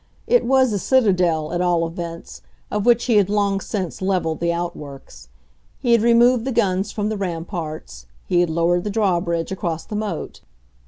It was a citadel, at all events, of which he had long since leveled the outworks. He had removed the guns from the ramparts; he had lowered the draw bridge across the moat.